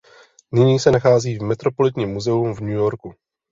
Nyní se nachází v Metropolitním muzeu v New Yorku.